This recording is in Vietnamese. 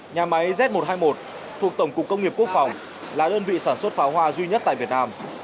nhà máy z một trăm hai mươi một thuộc tổng cục công nghiệp quốc phòng là đơn vị sản xuất pháo hoa duy nhất tại việt nam